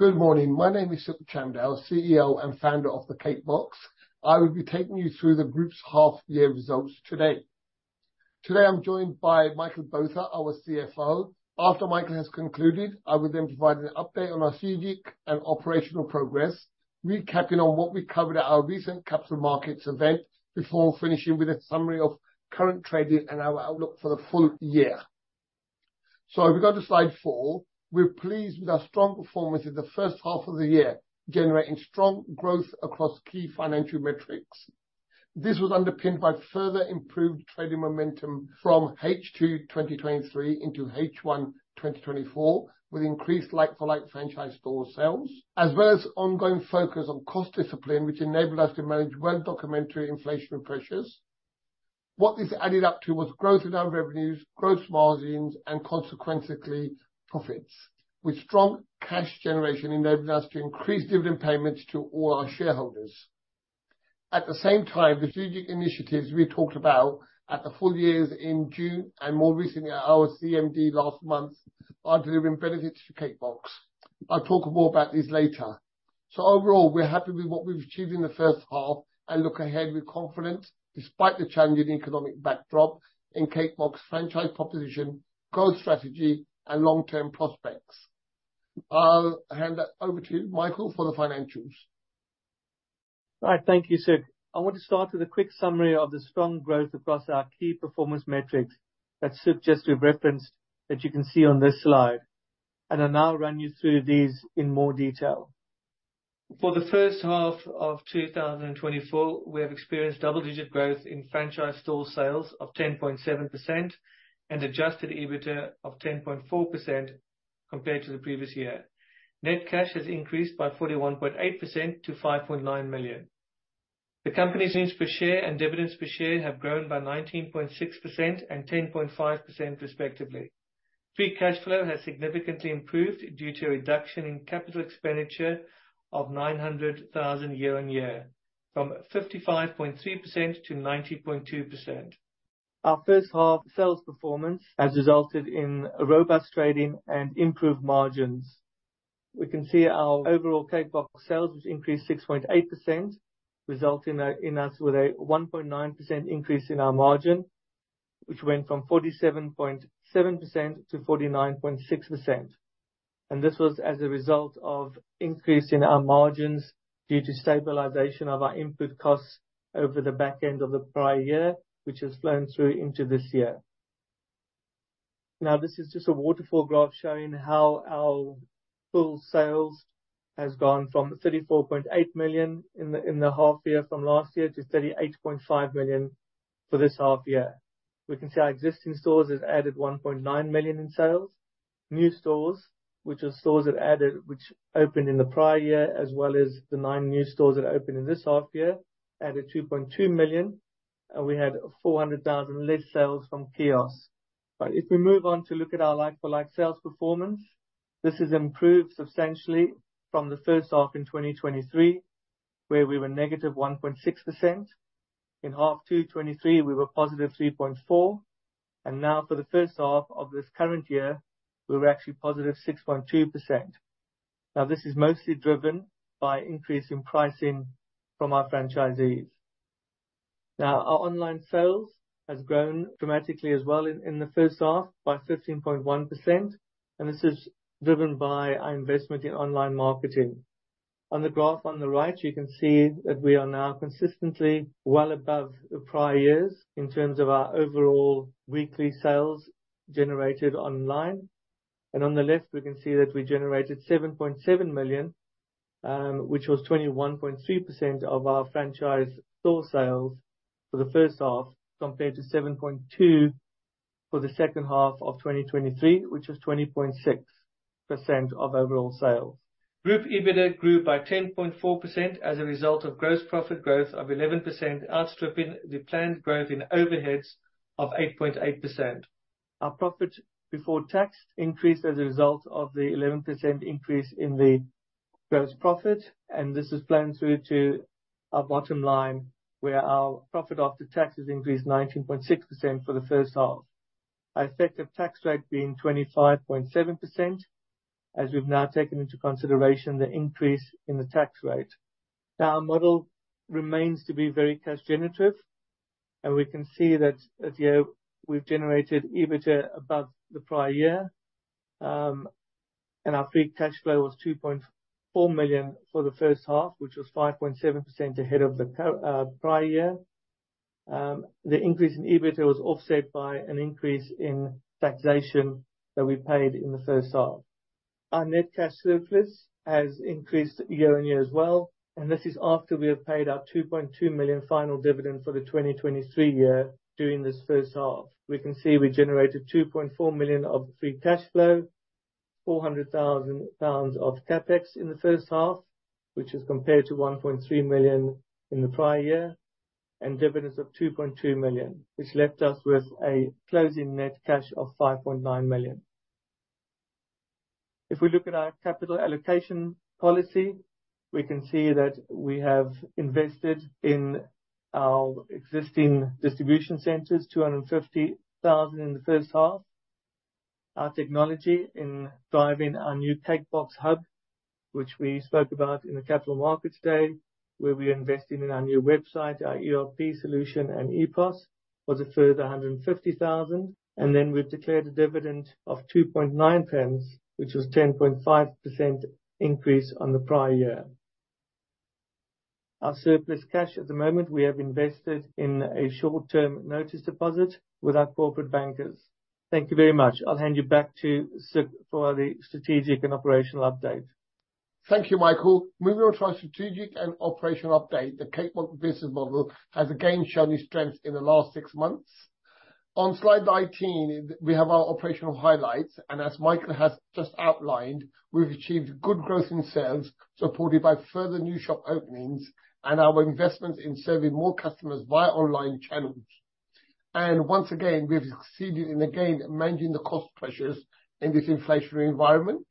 Good morning. My name is Sukh Chamdal, CEO and Founder of the Cake Box. I will be taking you through the group's half-year results today. Today, I'm joined by Michael Botha, our CFO. After Michael has concluded, I will then provide an update on our strategic and operational progress, recapping on what we covered at our recent capital markets event, before finishing with a summary of current trading and our outlook for the full year. So if we go to slide four, we're pleased with our strong performance in the first half of the year, generating strong growth across key financial metrics. This was underpinned by further improved trading momentum from H2 2023 into H1 2024, with increased like-for-like franchise store sales, as well as ongoing focus on cost discipline, which enabled us to manage well-documented inflationary pressures. What this added up to was growth in our revenues, gross margins, and consequently, profits, with strong cash generation enabling us to increase dividend payments to all our shareholders. At the same time, the strategic initiatives we talked about at the full years in June and more recently at our CMD last month, are delivering benefits to Cake Box. I'll talk more about this later. So overall, we're happy with what we've achieved in the first half and look ahead with confidence, despite the challenging economic backdrop in Cake Box franchise proposition, growth strategy, and long-term prospects. I'll hand that over to you, Michael, for the financials. All right. Thank you, Sukh. I want to start with a quick summary of the strong growth across our key performance metrics that Sukh just referenced, that you can see on this slide, and I'll now run you through these in more detail. For the first half of 2024, we have experienced double-digit growth in franchise store sales of 10.7% and adjusted EBITDA of 10.4% compared to the previous year. Net cash has increased by 41.8% to 5.9 million. The company's earnings per share and dividends per share have grown by 19.6% and 10.5%, respectively. Free cash flow has significantly improved due to a reduction in capital expenditure of 900,000 year-on-year, from 55.3% to 90.2%. Our first half sales performance has resulted in a robust trading and improved margins. We can see our overall Cake Box sales has increased 6.8%, resulting in, in us with a 1.9% increase in our margin, which went from 47.7% to 49.6%, and this was as a result of increase in our margins due to stabilization of our input costs over the back end of the prior year, which has flown through into this year. Now, this is just a waterfall graph showing how our full sales has gone from 34.8 million in the, in the half year from last year to 38.5 million for this half year. We can see our existing stores has added 1.9 million in sales. New stores, which are stores that added, which opened in the prior year, as well as the 9 new stores that opened in this half year, added 2.2 million, and we had 400,000 less sales from kiosks. But if we move on to look at our like-for-like sales performance, this has improved substantially from the first half in 2023, where we were -1.6%. In half two, 2023, we were +3.4%, and now for the first half of this current year, we were actually +6.2%. Now, this is mostly driven by increase in pricing from our franchisees. Now, our online sales has grown dramatically as well in the first half by 15.1%, and this is driven by our investment in online marketing. On the graph on the right, you can see that we are now consistently well above the prior years in terms of our overall weekly sales generated online. On the left, we can see that we generated 7.7 million, which was 21.3% of our franchise store sales for the first half, compared to 7.2 million for the second half of 2023, which was 20.6% of overall sales. Group EBITDA grew by 10.4% as a result of gross profit growth of 11%, outstripping the planned growth in overheads of 8.8%. Our profit before tax increased as a result of the 11% increase in the gross profit, and this has flown through to our bottom line, where our profit after tax has increased 19.6% for the first half. Our effective tax rate being 25.7%, as we've now taken into consideration the increase in the tax rate. Now, our model remains to be very cash generative, and we can see that, as here, we've generated EBITDA above the prior year, and our free cash flow was 2.4 million for the first half, which was 5.7% ahead of the prior year. The increase in EBITDA was offset by an increase in taxation that we paid in the first half. Our net cash surplus has increased year-on-year as well, and this is after we have paid our 2.2 million final dividend for the 2023 year during this first half. We can see we generated 2.4 million of free cash flow, 400,000 pounds of CapEx in the first half, which is compared to 1.3 million in the prior year, and dividends of 2.2 million, which left us with a closing net cash of 5.9 million. If we look at our capital allocation policy... We can see that we have invested in our existing distribution centers, 250,000 in the first half. Our technology in driving our new Cake Box Hub, which we spoke about in the capital market today, where we're investing in our new website, our ERP solution, and ePOS, was a further 150,000, and then we've declared a dividend of 0.029, which was 10.5% increase on the prior year. Our surplus cash at the moment, we have invested in a short-term notice deposit with our corporate bankers. Thank you very much. I'll hand you back to Sukh for the strategic and operational update. Thank you, Michael. Moving on to our strategic and operational update, the Cake Box business model has again shown its strength in the last six months. On slide 19, we have our operational highlights, and as Michael has just outlined, we've achieved good growth in sales, supported by further new shop openings and our investments in serving more customers via online channels. Once again, we've succeeded in again managing the cost pressures in this inflationary environment.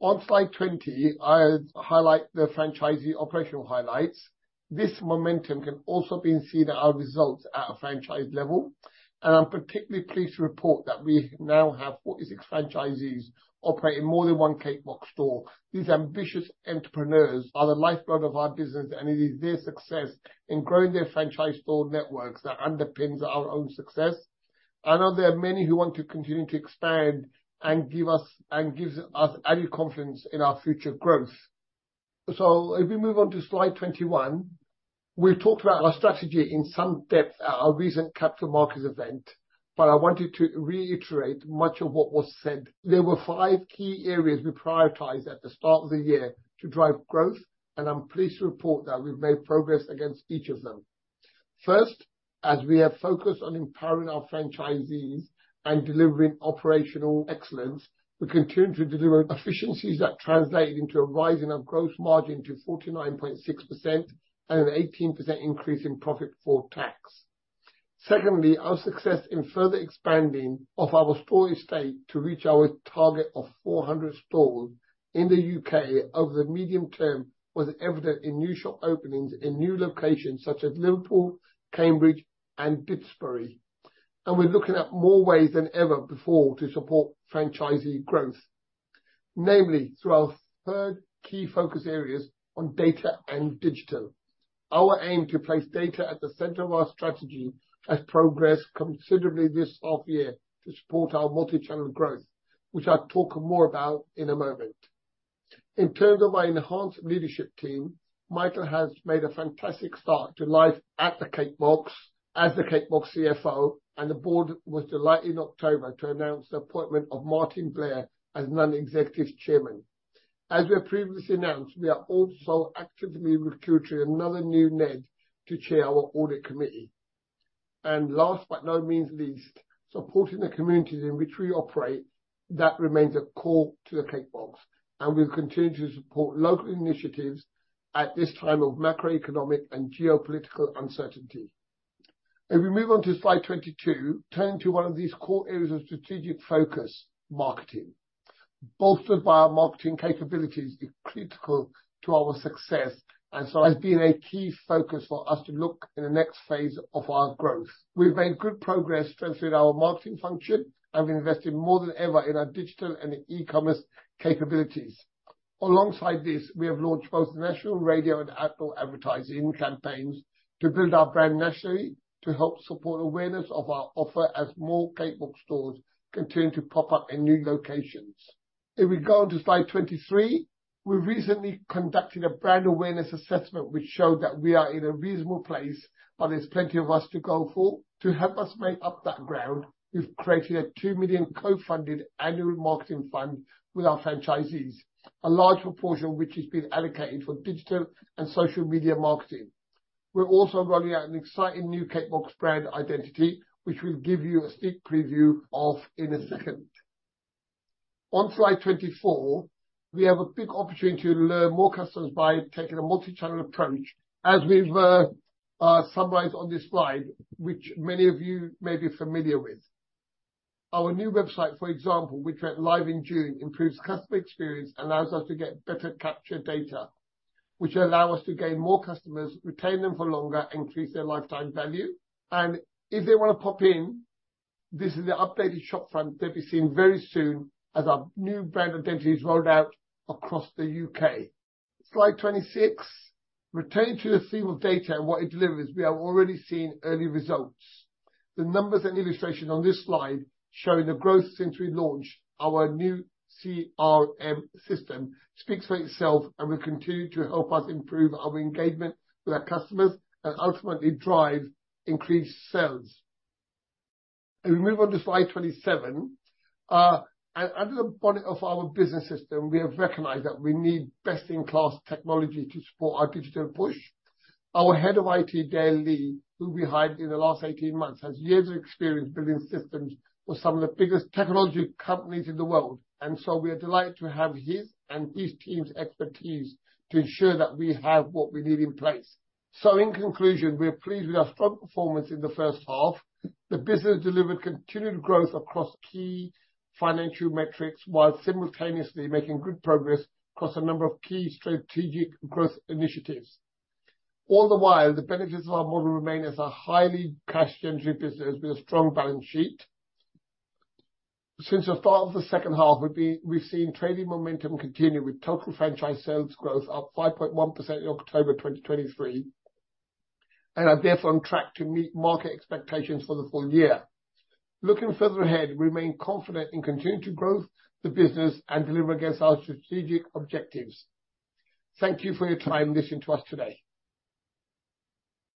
On slide 20, I highlight the franchisee operational highlights. This momentum can also be seen in our results at a franchise level, and I'm particularly pleased to report that we now have 46 franchisees operating more than one Cake Box store. These ambitious entrepreneurs are the lifeblood of our business, and it is their success in growing their franchise store networks that underpins our own success. I know there are many who want to continue to expand and gives us added confidence in our future growth. So if we move on to slide 21, we talked about our strategy in some depth at our recent capital markets event, but I wanted to reiterate much of what was said. There were five key areas we prioritized at the start of the year to drive growth, and I'm pleased to report that we've made progress against each of them. First, as we have focused on empowering our franchisees and delivering operational excellence, we continue to deliver efficiencies that translated into a rising of gross margin to 49.6% and an 18% increase in profit before tax. Secondly, our success in further expanding of our store estate to reach our target of 400 stores in the UK over the medium term, was evident in new shop openings in new locations such as Liverpool, Cambridge, and Didsbury. We're looking at more ways than ever before to support franchisee growth. Namely, through our third key focus areas on data and digital. Our aim to place data at the center of our strategy has progressed considerably this half year to support our multi-channel growth, which I'll talk more about in a moment. In terms of our enhanced leadership team, Michael has made a fantastic start to life at the Cake Box as the Cake Box CFO, and the board was delighted in October to announce the appointment of Martin Blair as Non-Executive Chairman. As we have previously announced, we are also actively recruiting another new NED to chair our audit committee. Last, but by no means least, supporting the communities in which we operate, that remains a core to the Cake Box, and we'll continue to support local initiatives at this time of macroeconomic and geopolitical uncertainty. If we move on to slide 22, turning to one of these core areas of strategic focus, marketing. Bolstered by our marketing capabilities is critical to our success, and so has been a key focus for us to look in the next phase of our growth. We've made good progress strengthening our marketing function and we've invested more than ever in our digital and e-commerce capabilities. Alongside this, we have launched both national radio and outdoor advertising campaigns to build our brand nationally, to help support awareness of our offer as more Cake Box stores continue to pop up in new locations. If we go on to slide 23, we recently conducted a brand awareness assessment, which showed that we are in a reasonable place, but there's plenty for us to go for. To help us make up that ground, we've created a 2 million co-funded annual marketing fund with our franchisees, a large proportion which has been allocated for digital and social media marketing. We're also rolling out an exciting new Cake Box brand identity, which we'll give you a sneak preview of in a second. On slide 24, we have a big opportunity to learn more customers by taking a multi-channel approach, as we've summarized on this slide, which many of you may be familiar with. Our new website, for example, which went live in June, improves customer experience and allows us to get better capture data, which allow us to gain more customers, retain them for longer, increase their lifetime value, and if they want to pop in, this is the updated shop front they'll be seeing very soon as our new brand identity is rolled out across the UK. Slide 26. Returning to the theme of data and what it delivers, we have already seen early results. The numbers and illustrations on this slide showing the growth since we launched our new CRM system speaks for itself, and will continue to help us improve our engagement with our customers and ultimately drive increased sales. If we move on to slide 27, and under the bonnet of our business system, we have recognized that we need best-in-class technology to support our digital push. Our Head of IT, Dale Leigh, who we hired in the last 18 months, has years of experience building systems for some of the biggest technology companies in the world, and so we are delighted to have his and his team's expertise to ensure that we have what we need in place. So in conclusion, we are pleased with our strong performance in the first half. The business delivered continued growth across key financial metrics, while simultaneously making good progress across a number of key strategic growth initiatives. All the while, the benefits of our model remain as a highly cash generative business with a strong balance sheet. Since the start of the second half, we've seen trading momentum continue, with total franchise sales growth up 5.1% in October 2023, and are therefore on track to meet market expectations for the full year. Looking further ahead, we remain confident in continuing to grow the business and deliver against our strategic objectives. Thank you for your time in listening to us today.